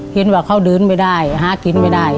เห็นว่าเขาเดินไม่ได้หากินไม่ได้